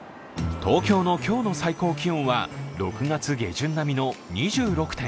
東京の今日の最高気温は６月下旬並みの２６．４度。